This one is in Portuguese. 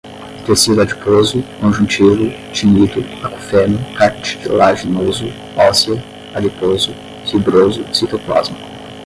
tecido adiposo, conjuntivo, tinido, acufeno, cartilaginoso, óssea, adiposo, fibroso, citoplasma